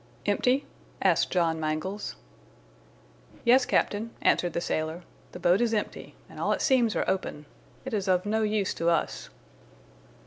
"Empty?" asked John Mangles. "Yes, captain," answered the sailor, "the boat is empty, and all its seams are open. It is of no use to us."